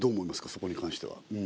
そこに関しては。